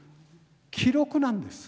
記録なんです。